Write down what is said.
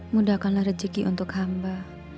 mudahkanlah rezeki untuk hamba